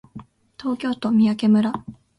東京都三宅村